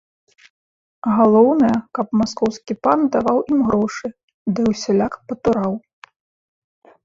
Галоўнае, каб маскоўскі пан даваў ім грошы ды ўсяляк патураў.